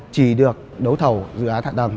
chỉ được đấu thầu dự án hạ tầng